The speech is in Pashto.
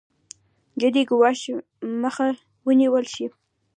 جدي ګواښ مخه ونېول شي.